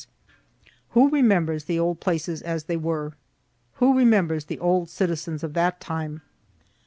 Who remembers the old places as they were? Who remembers the old citizens of that time?